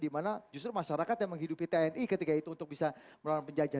dimana justru masyarakat yang menghidupi tni ketika itu untuk bisa melawan penjajahan